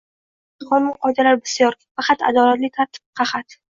Аdolatli qonun-qoidalar bisyor, faqat adolatli tartib qahat;